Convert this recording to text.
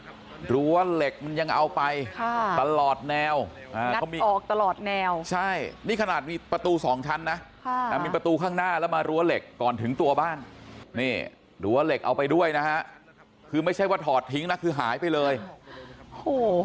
เพราะว่าเหล็กมันยังเอาไปค่ะตลอดแนวออกตลอดแนวใช่นี่ขนาดมีประตูสองชั้นนะค่ะมีประตูข้างหน้าแล้วมารั้วเหล็กก่อนถึงตัวบ้านนี่รั้วเหล็กเอาไปด้วยนะฮะคือไม่ใช่ว่าถอดทิ้งนะคือหายไปเลยโอ้โห